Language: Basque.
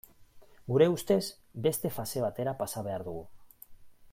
Gure ustez, beste fase batera pasa behar dugu.